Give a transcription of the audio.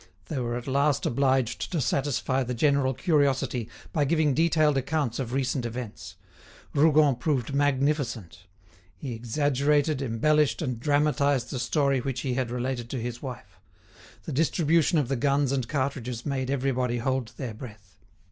They were at last obliged to satisfy the general curiosity by giving detailed accounts of recent events. Rougon proved magnificent. He exaggerated, embellished, and dramatised the story which he had related to his wife. The distribution of the guns and cartridges made everybody hold their breath.